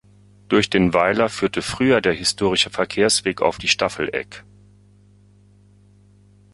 Durch den Weiler führte früher der historische Verkehrsweg auf die Staffelegg.